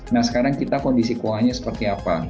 nah sekarang kita kondisi kuahnya seperti apa